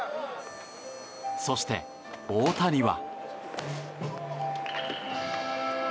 そして、大谷は。